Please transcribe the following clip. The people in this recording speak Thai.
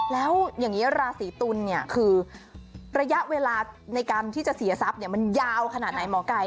แล้วอย่างนี้ราศีตุลเนี่ยคือระยะเวลาในการที่จะเสียทรัพย์มันยาวขนาดไหนหมอไก่